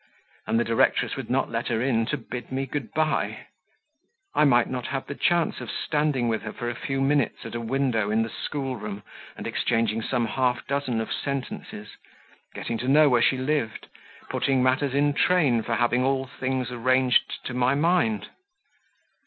And the directress would not let her in to bid me good bye? I might not have the chance of standing with her for a few minutes at a window in the schoolroom and exchanging some half dozen of sentences getting to know where she lived putting matters in train for having all things arranged to my mind?